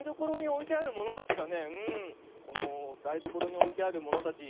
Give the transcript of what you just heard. このだいどころにおいてあるものたち